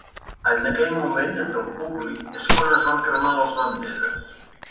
En aquell moment, entre el públic, és quan es van cremar les banderes.